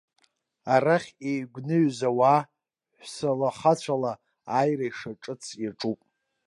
Арахь еигәныҩыз ауаа ҳәсала-хацәала ааира ишаҿыц иаҿуп.